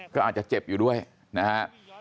ก็อาจจะเจ็บอยู่ด้วยนะฮะ